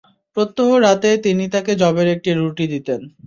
প্রত্যহ রাতে তিনি তাকে যবের একটি রুটি দিতেন।